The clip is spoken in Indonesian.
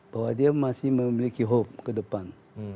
bahwa dia masih memiliki hope ke depan